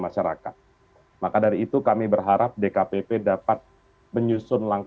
mas kurnia saya bertanya kepada anda sekarang